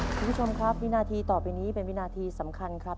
คุณผู้ชมครับวินาทีต่อไปนี้เป็นวินาทีสำคัญครับ